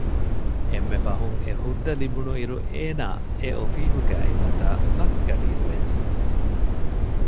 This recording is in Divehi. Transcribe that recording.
އެންމެ ފަހުން އެ ހުއްދަ ލިބުނުއިރު އޭނާ އެ އޮފީހުގައި އިންނަތާ ފަސްގަޑިއިރު ވެއްޖެ